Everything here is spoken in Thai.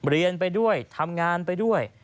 เรียนไปด้วยทำงานไปด้วย